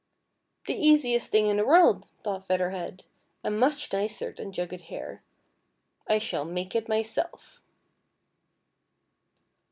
"The easiest thing in the world," thought Feather Head, " and much nicer than jugged hare. I shall make it myself."